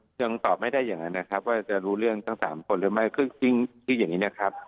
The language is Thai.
ยังตอบไม่ได้อย่างนั้นนะครับว่าจะรู้เรื่องทั้งสามคนหรือไม่คือจริงคืออย่างนี้นะครับ